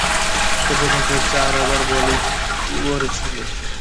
কেবলমাত্র চার over bowling করেছিলেন।